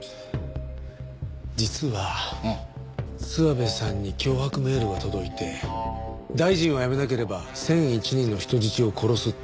実は諏訪部さんに脅迫メールが届いて「大臣を辞めなければ１００１人の人質を殺す」って。